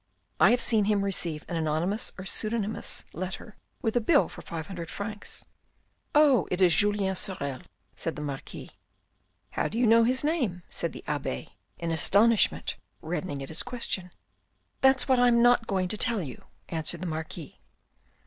I have seen him receive an anonymous or pseudonymous letter with bill for five hundred francs." " Oh, it is Julien Sorel," said the Marquis. " How do you know his name ?" said the abbe, in astonishment, reddening at his question. "That's what I'm not going to tell you," answered the Marquis.